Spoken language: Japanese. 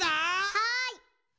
はい！